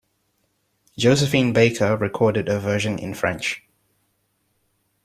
Josephine Baker recorded a version in French.